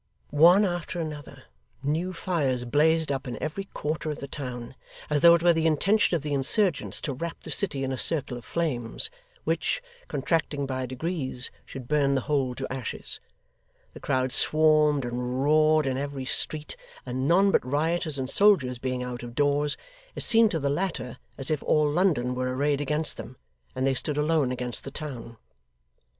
One after another, new fires blazed up in every quarter of the town, as though it were the intention of the insurgents to wrap the city in a circle of flames, which, contracting by degrees, should burn the whole to ashes; the crowd swarmed and roared in every street; and none but rioters and soldiers being out of doors, it seemed to the latter as if all London were arrayed against them, and they stood alone against the town.